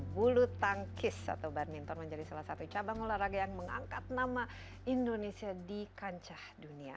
bulu tangkis atau badminton menjadi salah satu cabang olahraga yang mengangkat nama indonesia di kancah dunia